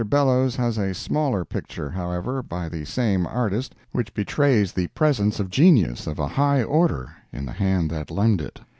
Bellows has a smaller picture, however, by the same artist, which betrays the presence of genius of a high order in the hand that limned it.